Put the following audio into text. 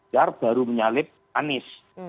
jar baru menyalib anies